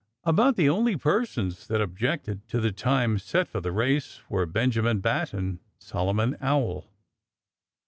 About the only persons that objected to the time set for the race were Benjamin Bat and Solomon Owl.